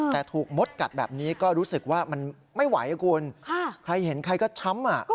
แต่ถูกมดกัดแบบนี้ก็รู้สึกว่ามันไม่ไหวคุณใครเห็นใครก็ช้ำ